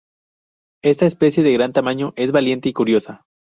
Esta especie de gran tamaño es valiente y curiosa.